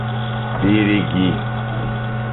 Birigui